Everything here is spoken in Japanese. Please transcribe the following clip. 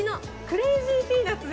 クレイジーピーナッツ？